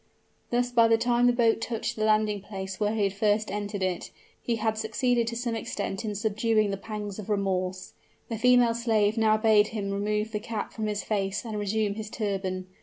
Thus by the time the boat touched the landing place where he had first entered it, he had succeeded to some extent in subduing the pangs of remorse. The female slave now bade him remove the cap from his face and resume his turban.